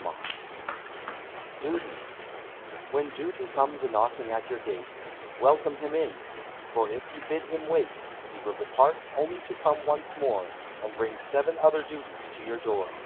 _ DUTY When Duty comes a knocking at your gate, Welcome him in, for if you bid him wait, He will depart only to come once more And bring seven other duties to your door.